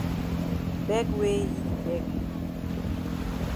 Beg wey yi di beg.